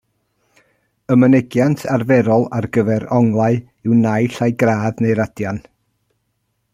Y mynegiant arferol ar gyfer onglau yw naill ai gradd neu radian.